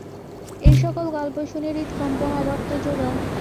এই সকল গল্প শুনে হৃৎকম্প হবার তো যোগাড়।